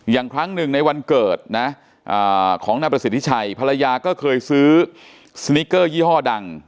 ครั้งหนึ่งในวันเกิดนะของนายประสิทธิชัยภรรยาก็เคยซื้อสนิกเกอร์ยี่ห้อดัง